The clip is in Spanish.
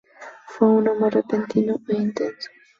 Fue un amor repentino e intenso.